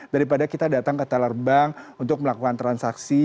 daripada kita datang ke teler bank untuk melakukan transaksi